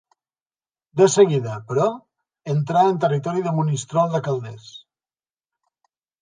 De seguida, però, entra en territori de Monistrol de Calders.